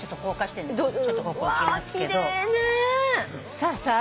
さあさあ